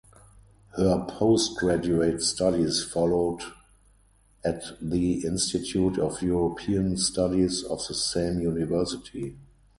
Her postgraduate studies followed at the Institute of European Studies of the same University.